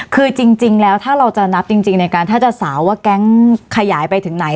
คือจริงแล้วถ้าเราจะนับจริงในการถ้าจะสาวว่าแก๊งขยายไปถึงไหน